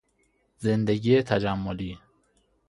زندگی تجملی